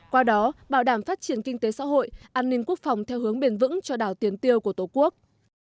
qua đó bảo đảm phát triển kinh tế xã hội an ninh quốc phòng theo hướng bền vững cho đảo tiền tiêu của tổ quốc